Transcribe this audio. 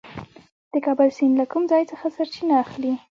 د کابل سیند له کوم ځای څخه سرچینه اخلي؟